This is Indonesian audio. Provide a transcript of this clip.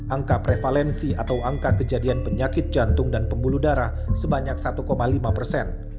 angka prevalensi atau angka kejadian penyakit jantung dan pembuluh darah sebanyak satu lima persen